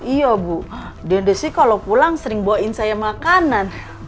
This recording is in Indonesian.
iya bu dan dia sih kalau pulang sering bawa saya makanan